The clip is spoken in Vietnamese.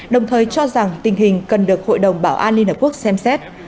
đồng thời cho rằng tình hình cần được hội đồng bảo an liên hợp quốc xem xét